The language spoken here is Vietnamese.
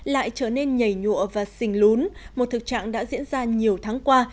lại trở nên nhảy nhụa và xình lún một thực trạng đã diễn ra nhiều tháng qua